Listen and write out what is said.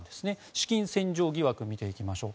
資金洗浄疑惑見ていきましょう。